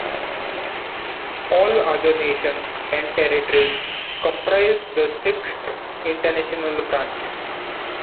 All other nations and territories comprise the sixth, International Branch.